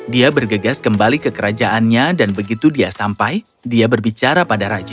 dia bergegas kembali ke kerajaannya dan begitu dia sampai dia berbicara pada raja